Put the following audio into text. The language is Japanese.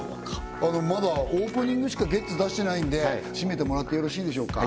まだオープニングしか「ゲッツ」出してないんで締めてもらってよろしいでしょうか？